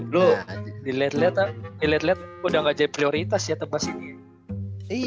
lo di late late udah nggak jadi prioritas ya tebas ini